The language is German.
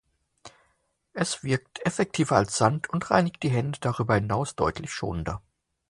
Es wirkt effektiver als Sand und reinigt die Hände darüber hinaus deutlich schonender.